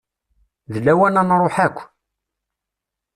D lawan ad nruḥ akk.